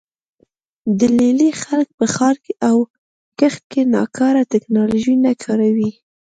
د لې لې خلک په ښکار او کښت کې ناکاره ټکنالوژي نه کاروي